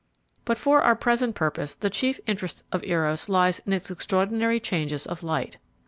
But for our present purpose the chief interest of Eros lies in its extraordinary changes of light.